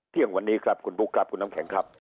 เที่ยงวันนี้ครับคุณบุ๊คครับคุณน้ำแข็งครับ